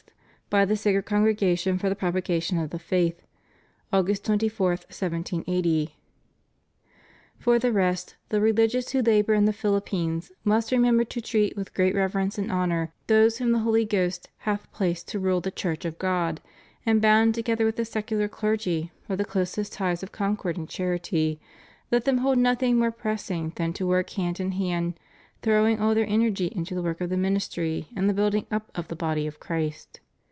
by the Sacred Congregation for the Propagation of the Faith, August 24, 1780. For the rest, the religious who labor in the Philippines must remember to treat with great reverence and honor those whom the Holy Ghost hath placed to rule the Church of God: and bound together with the secular clergy by the closest ties of concord and charity, let them hold nothing more pressing than to work hand in hand, throwing all their energy into the work of the ministr}^ and the building up of the body of Christ.